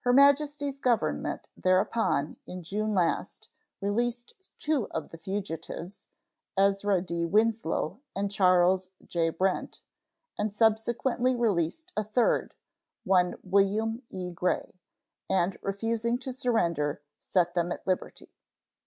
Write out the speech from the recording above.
Her Majesty's Government thereupon, in June last, released two of the fugitives (Ezra D. Winslow and Charles J. Brent), and subsequently released a third (one William E. Gray), and, refusing to surrender, set them at liberty.